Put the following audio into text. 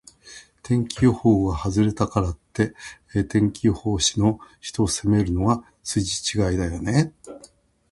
天気予報が外れたからって、気象予報士の人を責めるのは筋違いだよね。